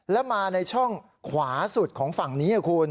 แล้วมาในช่องขวาสุดของฝั่งนี้คุณ